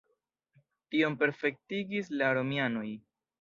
Tion perfektigis la romianoj.